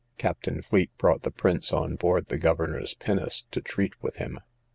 Captain Fleet brought the prince on board the governor's pinnace to treat with him.